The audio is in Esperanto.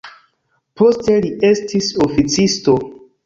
Poste li estis oficisto.